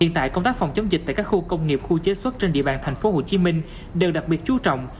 hiện tại công tác phòng chống dịch tại các khu công nghiệp khu chế xuất trên địa bàn thành phố hồ chí minh đều đặc biệt chú trọng